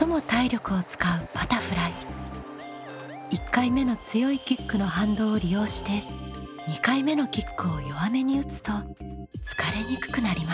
１回目の強いキックの反動を利用して２回目のキックを弱めに打つと疲れにくくなります。